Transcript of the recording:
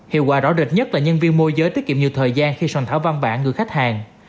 hiệu quả rõ rệt nhất là nhân viên môi giới tiết kiệm nhiều thời gian khi sàn thảo văn bản gửi khách hàng